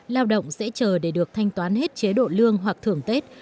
lao động sẽ chờ để được thanh toán hết chế độ lương hoặc thưởng tết